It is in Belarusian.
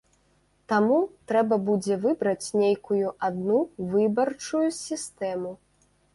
Таму, трэба будзе выбраць нейкую адну выбарчую сістэму.